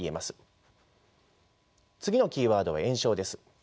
次のキーワードは延焼です。